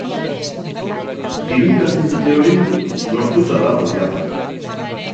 Diru kantitate hori, lortuta dago jada.